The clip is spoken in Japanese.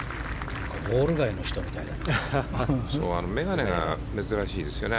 ウォール街の人みたいだね。